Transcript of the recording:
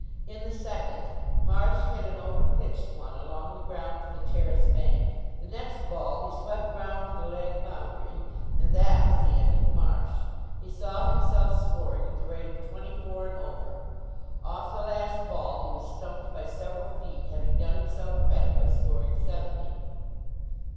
In the second, Marsh hit an over pitched one along the ground to the terrace bank. The next ball he swept round to the leg boundary. And that was the end of Marsh. He saw himself scoring at the rate of twenty four an over. Off the last ball he was stumped by several feet, having done himself credit by scoring seventy.